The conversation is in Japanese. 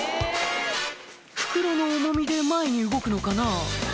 袋の重みで前に動くのかな？